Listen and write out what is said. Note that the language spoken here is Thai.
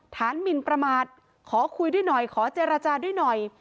หมินประมาทขอคุยด้วยหน่อยขอเจรจาด้วยหน่อย